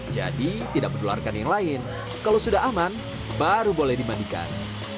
jadi tidak perlu luarkan yang lain kalau sudah aman baru boleh dimandikan